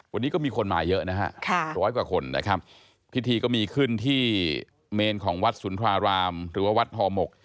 วันนี้ก็มีคนมาเยอะนะฮะร้อยกว่าคนนะครับพิธีก็มีขึ้นที่เมนของวัดสุนทรารามหรือว่าวัดห่อหมก